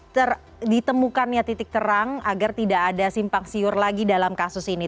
ter ditemukannya titik terang agar tidak ada simpang siur lagi dalam kasus ini